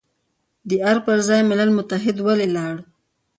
د ارګ پر ځای ملل متحد ته ولې لاړ،